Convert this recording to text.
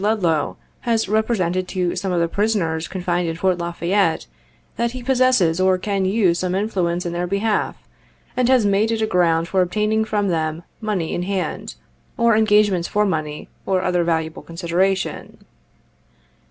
Ludlow, has represented to some of the prisoners confined in Fort La Fayette, that he possesses or can use some influence in their behalf, and has made it a ground for obtaining from them money in hand, or engagements for money or other valuable consideration.